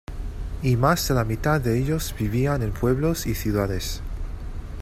Y más de la mitad de ellos vivían en pueblos y ciudades.